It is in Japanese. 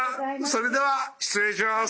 それでは失礼します」。